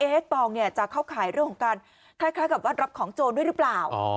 ตองเนี่ยจะเข้าข่ายเรื่องของการคล้ายกับว่ารับของโจรด้วยหรือเปล่า